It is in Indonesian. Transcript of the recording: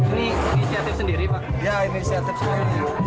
ini inisiatif sendiri pak